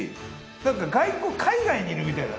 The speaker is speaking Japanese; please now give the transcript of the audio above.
なんか海外にいるみたいだね。